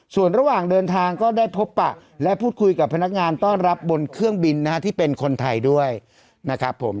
ส่วนระหว่างเดินทางก็ได้พบปะและพูดคุยกับพนักงานต้อนรับบนเครื่องบินนะฮะที่เป็นคนไทยด้วยนะครับผม